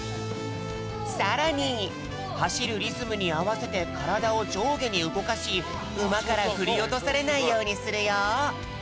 さらにはしるリズムにあわせてからだをじょうげにうごかしうまからふりおとされないようにするよ！